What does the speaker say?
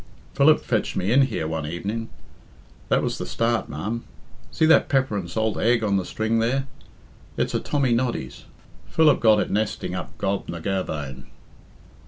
Philip fetched me in here one evenin' that was the start, ma'am. See that pepper and salt egg on the string there? It's a Tommy Noddy's. Philip got it nesting up Gob ny Garvain.